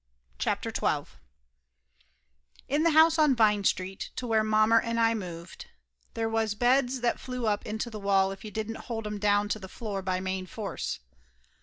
CHAPTER XII TN the house on Vine Street to where mommer * and I moved, there was beds that flew up into the wall if you didn't hold 'em down to the floor by main force.